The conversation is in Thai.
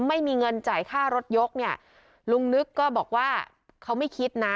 ไม่มีเงินจ่ายค่ารถยกเนี่ยลุงนึกก็บอกว่าเขาไม่คิดนะ